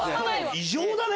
異常だね。